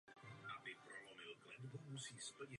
Výrazně byl modernizován i interiér vozu.